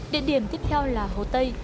địa điểm tiếp theo là hồ tây